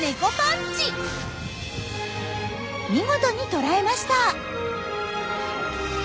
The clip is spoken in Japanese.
見事に捕らえました。